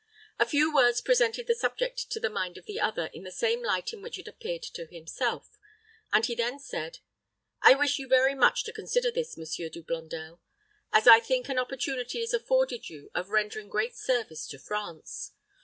A few words presented the subject to the mind of the other in the same light in which it appeared to himself, and he then said, "I wish you very much to consider this, Monsieur De Blondel, as I think an opportunity is afforded you of rendering great service to France.